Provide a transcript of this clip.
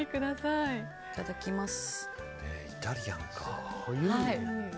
いただきます。